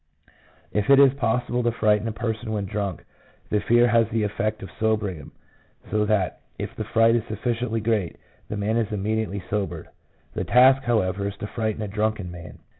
If it is possible to frighten a person when drunk, the fear has the effect of sobering him, so that if the fright is sufficiently great, the man is immediately sobered ; the task, however, is to frighten a drunken man.